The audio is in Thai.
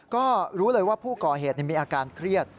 ก็รู้เลยว่าผู้ก่อเหตุมีอาการเครียด